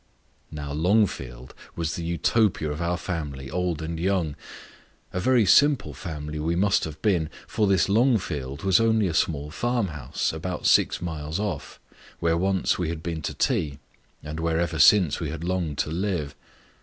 Now Longfield was the Utopia of our family, old and young. A very simple family we must have been for this Longfield was only a small farm house, about six miles off, where once we had been to tea, and where ever since we had longed to live.